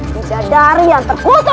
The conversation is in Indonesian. dijadari yang terkutuk dan terus